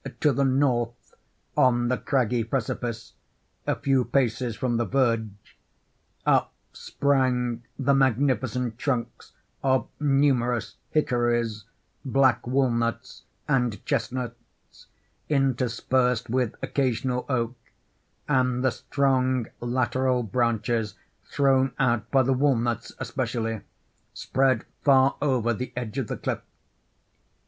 To the north—on the craggy precipice—a few paces from the verge—up sprang the magnificent trunks of numerous hickories, black walnuts, and chestnuts, interspersed with occasional oak; and the strong lateral branches thrown out by the walnuts especially, spread far over the edge of the cliff.